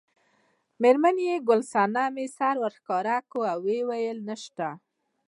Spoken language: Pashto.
میرمن یې ګل صمنې سر راښکاره کړ وویل نشته.